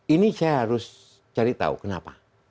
ini saya harus cari tahu kenapa